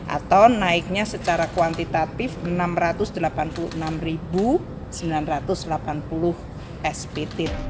atau naiknya secara kuantitatif enam ratus delapan puluh enam sembilan ratus delapan puluh spt